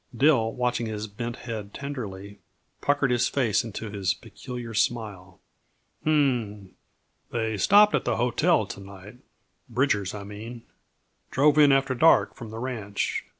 Dill, watching his bent head tenderly, puckered his face into his peculiar smile. "H m m! They stopped at the hotel to night Bridgers, I mean. Drove in after dark from the ranch.